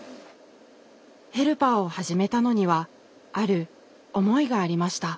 ヘルパーを始めたのにはある思いがありました。